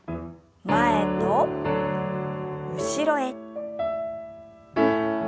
前と後ろへ。